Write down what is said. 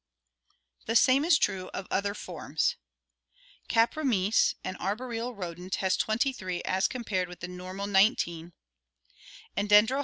The same is true of other forms. Capromys, an arboreal rodent, has twenty three as compared with the normal nineteen, and Dendro SCANSORIAL ADAPTATION FIG.